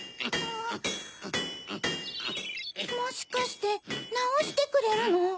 もしかしてなおしてくれるの？